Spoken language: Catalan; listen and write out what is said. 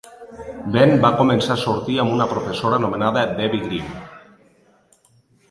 Ben va començar a sortir amb una professora anomenada Debbie Green.